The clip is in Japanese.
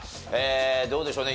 どうでしょうね？